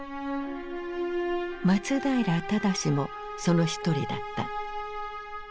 松平精もその一人だった。